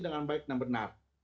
dengan baik dan benar